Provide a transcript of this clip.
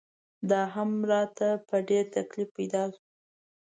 دا هم راته په ډېر تکلیف پیدا شو.